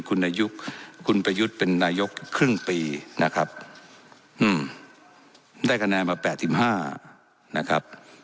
คุณนายกคุณประยุทธ์เป็นนายกครึ่งปีนะครับได้คะแนนมา๘๕นะครับ